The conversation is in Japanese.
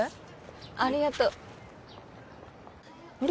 ありがとうあれ？